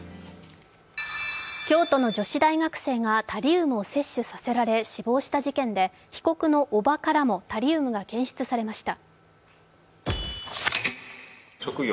京都の女子大学生がタリウムを摂取させられ死亡した事件で被告の叔母からもタリウムが検出されました。